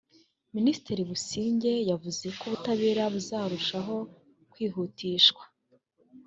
Minisitiri Busingye yavuze ko ubutabera buzarushaho kwihutishwa